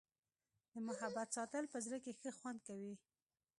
د محبت ساتل په زړه کي ښه خوند کوي.